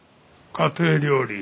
家庭料理？